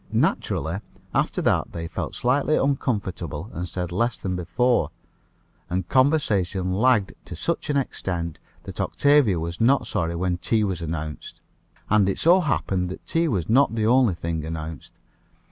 Naturally, after that they felt slightly uncomfortable, and said less than before; and conversation lagged to such an extent that Octavia was not sorry when tea was announced. And it so happened that tea was not the only thing announced.